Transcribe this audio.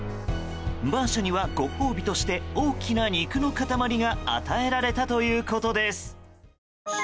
バーシャにはご褒美として大きな肉の塊が与えられたということです。